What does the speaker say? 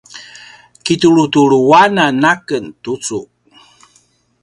kitulutulu anan a ken tucu